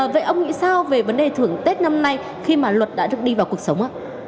vậy ông nghĩ sao về vấn đề thưởng tết năm nay khi mà luật đã được đi vào cuộc sống ạ